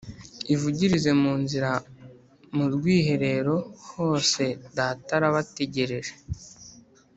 ivugirize mu nzira, mu rwiherero hosedatarabategereje,